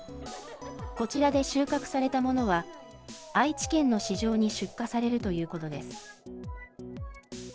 こちらで収穫されたものは、愛知県の市場に出荷されるということです。